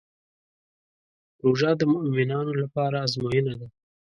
روژه د مؤمنانو لپاره ازموینه ده.